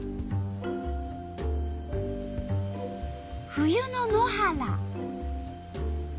冬の野原。